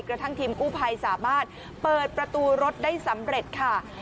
กระทั่งทีมกู้ภัยสามารถเปิดประตูรถได้สำเร็จค่ะ